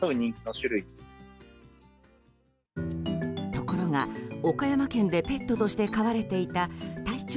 ところが、岡山県でペットとして飼われていた体長